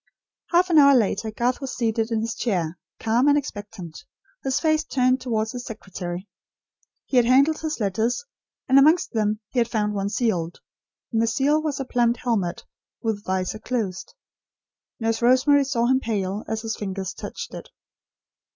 Half an hour later Garth was seated in his chair, calm and expectant; his face turned towards his secretary. He had handled his letters, and amongst them he had found one sealed; and the seal was a plumed helmet, with visor closed. Nurse Rosemary saw him pale, as his fingers touched it.